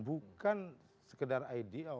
bukan sekedar ide